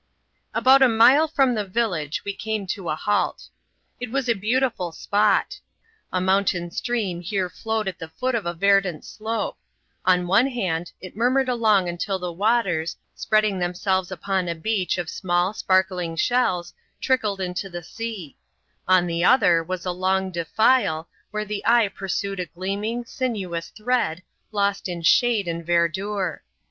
About a mile from the village we come to a halt. It was a beautiful spot. A mountain stream here flowed at the foot of a verdant slope ; on one hand, it murmured along imtil the waters, spreading themselves upon a beach of smaU,, sparkling shells, trickled into the sea ; on the other, was a long defile, where the eye pursued a gleaming, sinuous thread, lost in shade and verdure.